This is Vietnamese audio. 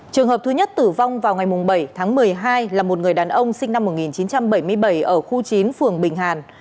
trường hợp thứ nhất tử vong vào ngày bảy tháng một mươi hai là một người đàn ông sinh năm một nghìn chín trăm bảy mươi bảy ở khu chín phường bình hàn